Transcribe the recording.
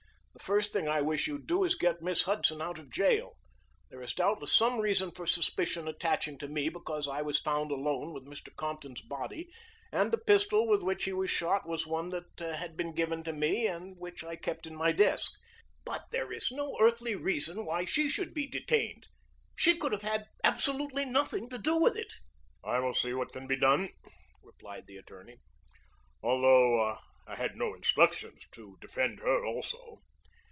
"The first thing I wish you'd do is to get Miss Hudson out of jail. There is doubtless some reason for suspicion attaching to me because I was found alone with Mr. Compton's body, and the pistol with which he was shot was one that had been given to me and which I kept in my desk, but there is no earthly reason why she should be detained. She could have had absolutely nothing to do with it." "I will see what can be done," replied the attorney, "although I had no instructions to defend her also."